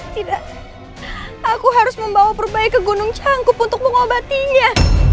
tidak aku harus membawa perbai ke gunung cangkup untuk mengobatinya